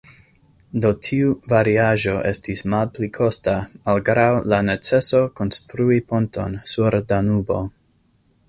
Do tiu variaĵo estis malpli kosta, malgraŭ la neceso konstrui ponton sur Danubo.